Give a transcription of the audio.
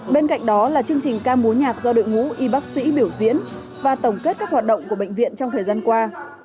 bên cạnh đó là chương trình ca múa nhạc do đội ngũ y bác sĩ biểu diễn và tổng kết các hoạt động của bệnh viện trong thời gian qua